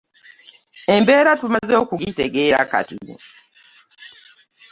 Embeera tumaze okugitegeera kati.